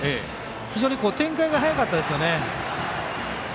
非常に展開が早かったですよね。